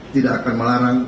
tidak akan melarang